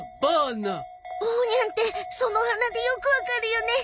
ボーニャンってその鼻でよくわかるよね。